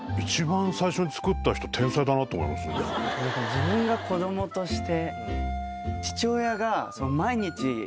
自分が子供として。